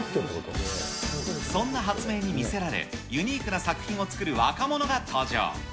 そんな発明に魅せられ、ユニークな作品を作る若者が登場。